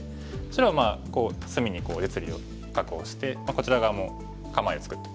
白は隅に実利を確保してこちら側も構えを作ってますね。